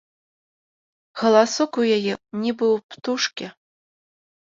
Галасок у яе, нібы ў птушкі.